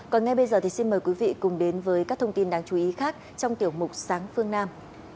còn ngay bây giờ thì xin mời quý vị cùng đến với các thông tin đáng chú ý khác trong tiểu mục sáng phương nam